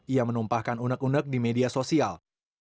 ia menumpahkan unek unek di media sosial